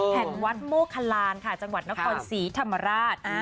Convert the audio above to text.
แข่งวัฒน์โมครานจังหวัดนครศรีธรรมราช